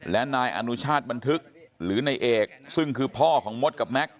และนายอนุชาติบันทึกหรือนายเอกซึ่งคือพ่อของมดกับแม็กซ